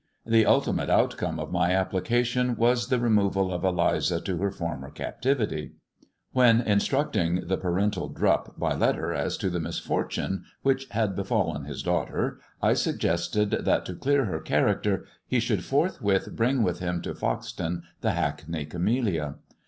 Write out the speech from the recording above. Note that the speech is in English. The ultimate oatcoml^'^ of mj application was the removal of Eliza to her fornet f ^^ captivity. IF^"^ When instructing the parental Drupp by letter as to the i ^^^ misfortune which had befallen his daughter, I soggesteil^ that, to clear her character, he should forthwith bring inftl ?^^ him to Foxton the Hackney camellia.